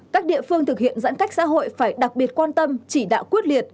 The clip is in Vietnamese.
các địa phương thực hiện giãn cách xã hội phải đặc biệt quan tâm chỉ đạo quyết liệt